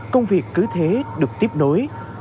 công việc cứ thế được tiếp nối